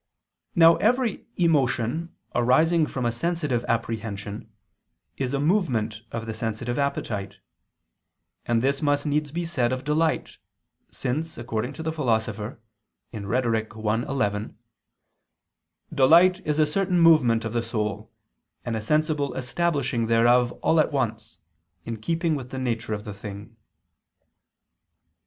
Now every emotion arising from a sensitive apprehension, is a movement of the sensitive appetite: and this must needs be said of delight, since, according to the Philosopher (Rhet. i, 11) "delight is a certain movement of the soul and a sensible establishing thereof all at once, in keeping with the nature of the thing."